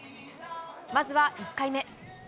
まずは１回目。